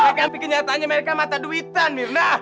maka tapi kenyataannya mereka mata duitan myrna